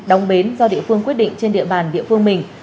đóng bến do địa phương quyết định trên địa bàn địa phương mình